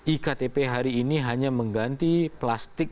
iktp hari ini hanya mengganti plastik